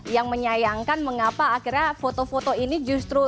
yang menyayangkan mengapa akhirnya foto foto ini justru